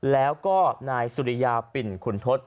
แล้วก็นายสุริยาปิ่นขุนทศ